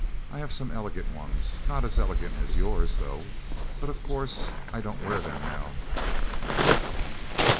I have some elegant ones not as elegant as yours, though but of course I don't wear them now."